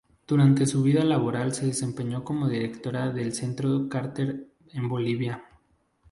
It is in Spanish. Durante su vida laboral se desempeñó como directora del Centro Carter en Bolivia.